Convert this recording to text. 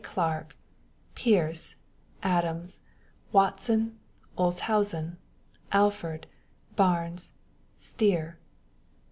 Clarke, Pearce, Adams, Watson, Olshausen, Alford, Barnes^ Stier.